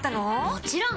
もちろん！